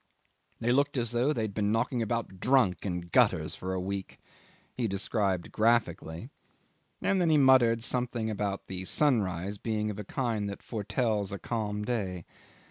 "They looked as though they had been knocking about drunk in gutters for a week," he described graphically; and then he muttered something about the sunrise being of a kind that foretells a calm day.